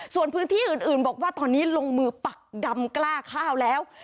ส่วนพื้นที่อื่นบอกว่าตอนนี้ลงมือปักดำกล้าข้าวแล้ว